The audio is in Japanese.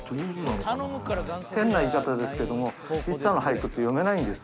変な言い方ですけども、一茶の俳句って読めないんです。